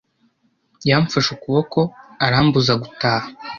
Yamfashe ukuboko arambuza gutaha.